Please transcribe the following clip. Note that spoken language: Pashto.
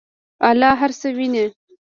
الله هر څه ویني.